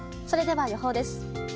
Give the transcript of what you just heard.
それでは予報です。